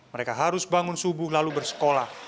mereka harus bangun subuh lalu bersekolah